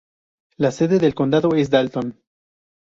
La sede del condado es Dalton.